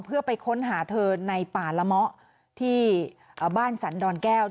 เพื่อไปค้นหาเธอในป่าละเมาะที่บ้านสันดอนแก้ว